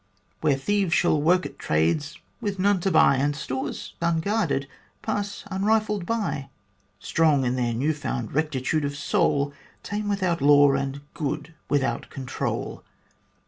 Where thieves shall work at trades with none to buy, And stores unguarded pass unrifled by ; Strong in their new found rectitude of soul, Tame without law, and good without control